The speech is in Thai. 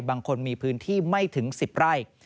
บางคนมีพื้นที่ไม่ถึง๑๐ไร่